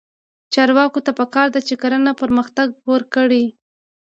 چارواکو ته پکار ده چې، کرنه پرمختګ ورکړي.